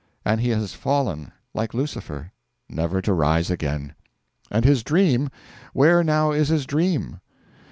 And he has fallen like Lucifer, never to rise again. And his dream where now is his dream?